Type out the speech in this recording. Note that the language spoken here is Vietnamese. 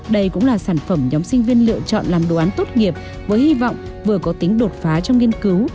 đây cũng là sản phẩm nhóm sinh viên lựa chọn làm đoán tốt nghiệp với hy vọng vừa có tính đột phá trong nghiên cứu